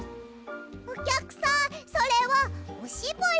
おきゃくさんそれはおしぼり。